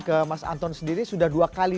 ke mas anton sendiri sudah dua kali